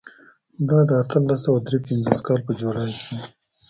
دا د اتلس سوه درې پنځوس کال په جولای کې و.